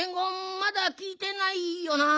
まだきいてないよな？